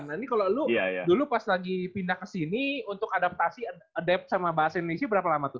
nanti kalau lo dulu pas lagi pindah ke sini untuk adaptasi sama bahasa indonesia berapa lama tuh